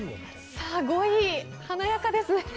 ５位、華やかですね。